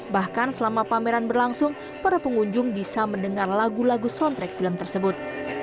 bahkan selama pameran berlangsung para pengunjung bisa mendengar lagu lagu soundtrack film tersebut